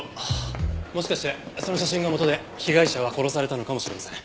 もしかしてその写真が元で被害者は殺されたのかもしれません。